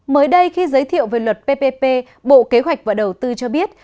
mới đây khi giới thiệu về luật ppp bộ kế hoạch và đầu tư cho biết